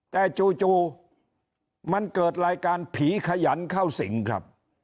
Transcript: แต่จู่มันเกิดรายการผีขยันเข้าสิงครับ